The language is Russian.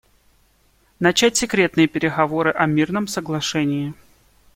Начать секретные переговоры о мирном соглашении.